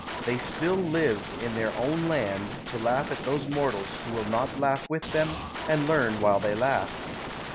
They still live in their own land, to laugh at those mortals who will not laugh with them and learn while they laugh.